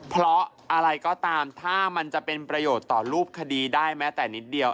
เพราะอะไรก็ตามถ้ามันจะเป็นประโยชน์ต่อรูปคดีได้แม้แต่นิดเดียว